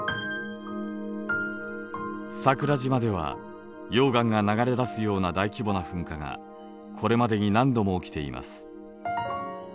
桜島では溶岩が流れ出すような大規模な噴火がこれまでに何度も起きています。